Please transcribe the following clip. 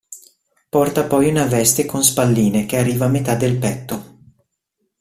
Porta poi una veste con spalline che arriva a metà del petto.